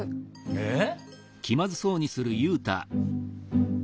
えっ？